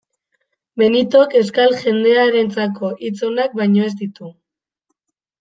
Benitok euskal jendearentzako hitz onak baino ez ditu.